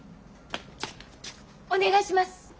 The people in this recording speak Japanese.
お願いします！